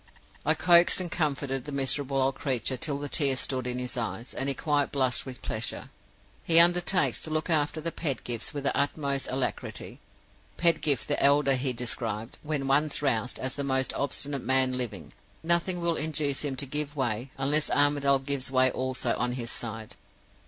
"I coaxed and comforted the miserable old creature till the tears stood in his eyes, and he quite blushed with pleasure. He undertakes to look after the Pedgifts with the utmost alacrity. Pedgift the elder he described, when once roused, as the most obstinate man living; nothing will induce him to give way, unless Armadale gives way also on his side.